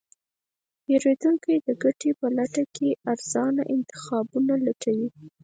پیرودونکی د ګټې په لټه کې ارزانه انتخابونه لټوي.